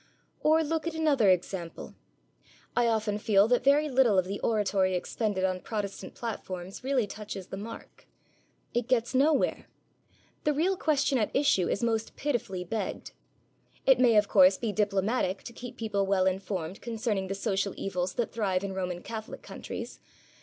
Or look at another example. I often feel that very little of the oratory expended on Protestant platforms really touches the mark. It gets nowhere. The real question at issue is most pitifully begged. It may, of course, be diplomatic to keep people well informed concerning the social evils that thrive in Roman Catholic countries.